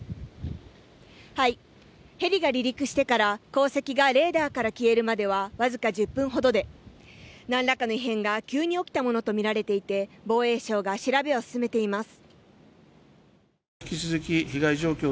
ヘリが離陸してから、航跡がレーダーから消えるまではわずか１０分ほどで何らかの異変が急に起きたものとみられていて防衛省が調べを進めています。